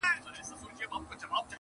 نه یوه چېغه مستانه سته زه به چیري ځمه!.